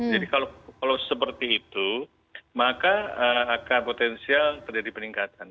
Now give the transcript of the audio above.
jadi kalau seperti itu maka akan potensial terjadi peningkatan